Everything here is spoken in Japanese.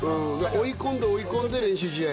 追い込んで追い込んで練習試合。